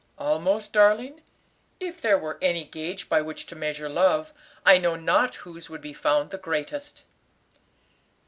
"Almost, darling? If there were any gauge by which to measure love, I know not whose would be found the greatest."